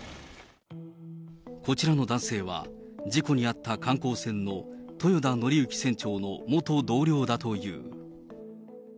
こちらの男性は、事故に遭った観光船の豊田徳幸船長の元同僚だという。